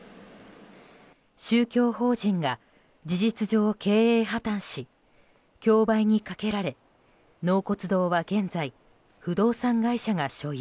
宗教法人が事実上経営破綻し競売にかけられ、納骨堂は現在不動産会社が所有。